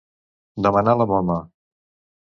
Demanar la moma.